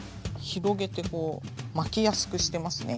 広げてこう巻きやすくしてますね